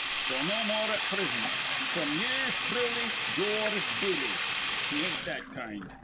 So no more at prisint. Fr'm ye'ers thruly, George Dooley.' He ain't that kind.